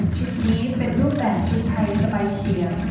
ชุดนี้เป็นรูปแบบชุดไทยสบายเฉียบ